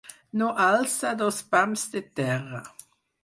No alça dos pams de terra.